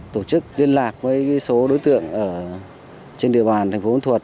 tổ chức liên lạc với số đối tượng trên địa bàn thành phố âu thuật